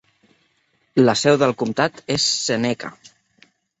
La seu del comtat és Seneca.